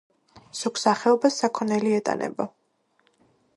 ზოგ სახეობას საქონელი ეტანება.